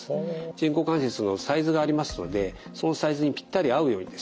人工関節のサイズがありますのでそのサイズにぴったり合うようにですね